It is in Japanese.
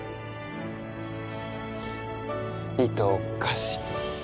いとをかし。